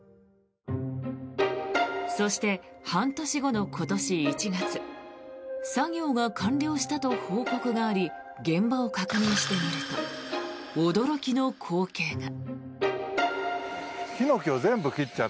そして、半年後の今年１月作業が完了したと報告があり現場を確認してみると驚きの光景が。